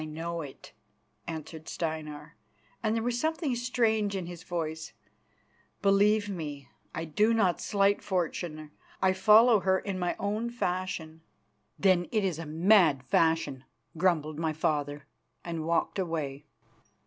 "I know it," answered Steinar, and there was something strange in his voice. "Believe me, I do not slight fortune; I follow her in my own fashion." "Then it is a mad fashion," grumbled my father, and walked away.